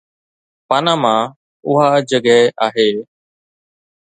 Panama اها جڳهه آهي.